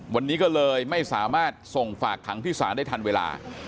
วันนี้ก็เลยไม่สามารถส่งฝากขังที่ศาลได้ทันเวลา